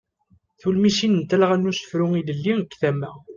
Tulmisin n talɣa n usefru ilelli deg tama.